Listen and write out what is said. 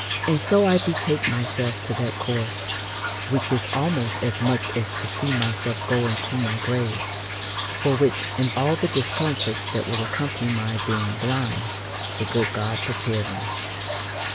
And so I betake myself to that course, which is almost as much as to see myself go into my grave; for which, and all the discomforts that will accompany my being blind, the good God prepare me.